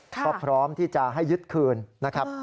ก็พร้อมที่จะให้ยึดคืนนะครับ